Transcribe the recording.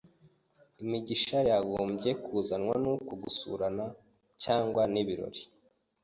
Imigisha yagombye kuzanwa n’uko gusurana cyangwa n’ibirori